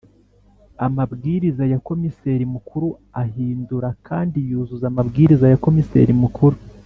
Amabwiriza ya Komiseri Mukuru ahindura kandi yuzuza amabwiriza ya Komiseri Mukuru